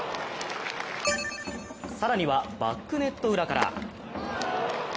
更にはバックネット裏から。